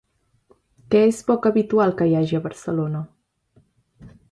Què és poc habitual que hi hagi a Barcelona?